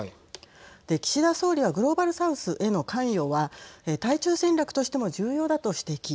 岸田総理はグローバル・サウスへの関与は対中戦略としても重要だと指摘。